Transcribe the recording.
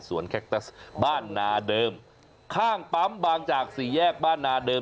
แคคตัสบ้านนาเดิมข้างปั๊มบางจากสี่แยกบ้านนาเดิม